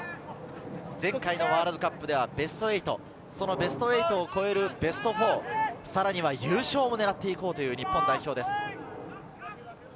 前回ワールドカップではベスト８、ベスト８を超えるベスト４、さらには優勝も狙っていこうという日本代表です。